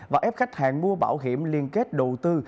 và ép khách hàng mua bảo hiểm liên kết đầu tư